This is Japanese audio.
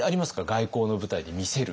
外交の舞台で見せる。